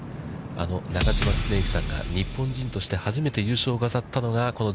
あの中嶋常幸さんが日本人として初めて優勝を飾ったのが、この１